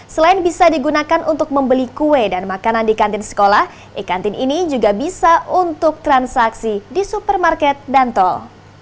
selain bisa digunakan untuk membeli kue dan makanan di kantin sekolah ikantin ini juga bisa untuk transaksi di supermarket dan tol